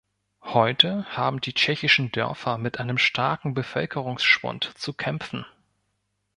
Heute haben die tschechischen Dörfer mit einem starken Bevölkerungsschwund zu kämpfen.